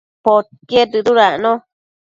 Podquied dëdudacno